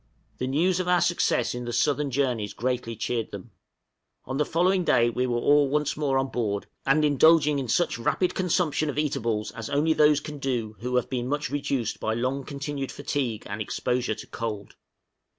The news of our success in the southern journeys greatly cheered them. On the following day we were all once more on board, and indulging in such rapid consumption of eatables as only those can do who have been much reduced by long continued fatigue and exposure to cold.